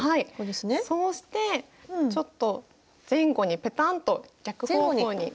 そうしてちょっと前後にペタンと逆方向に。